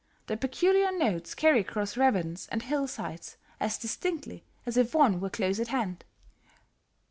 The peculiar notes carry across ravines and hillsides as distinctly as if one were close at hand.